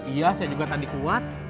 iya saya juga tadi kuat